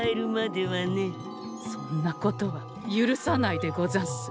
そんなことは許さないでござんす。